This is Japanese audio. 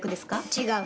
違う。